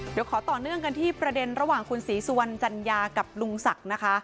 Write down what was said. เดี๋ยวขอต่อเนื่องกันที่ประเด็นระหว่างคุณศรีสุวรรณจัญญากับลุงศักดิ์นะคะ